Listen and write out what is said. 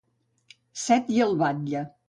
Set i el batlle.